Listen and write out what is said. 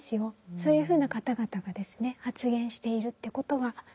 そういうふうな方々がですね発言しているということがあります。